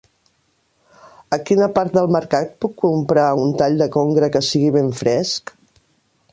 A quina part del mercat puc comprar un tall de congre que sigui ben fresc?